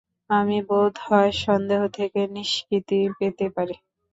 আমি বোধ হয় সন্দেহ থেকে নিষ্কৃতি পেতে পারি।